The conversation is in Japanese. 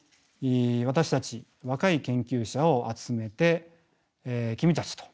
私たち若い研究者を集めて君たちと。